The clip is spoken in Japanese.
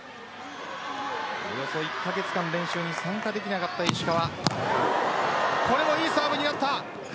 およそ１カ月間練習に参加できなかった石川。